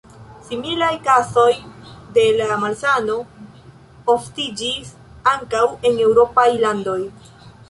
Similaj kazoj de la malsano oftiĝis ankaŭ en eŭropaj landoj.